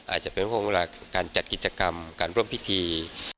อาจจะเป็นการจัดกิจกรรมการร่วมพิธี